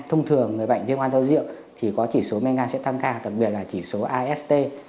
thông thường người bệnh viêm gan do rượu thì có chỉ số men gan sẽ tăng cao đặc biệt là chỉ số ast